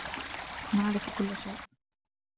نعرف كل شيء.